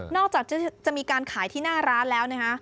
จากจะมีการขายที่หน้าร้านแล้วนะฮะ